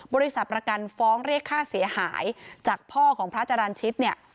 บริษัทประกันฟ้องเรียกค่าเสียหายจากพ่อของพระจรรย์ชิตเนี่ย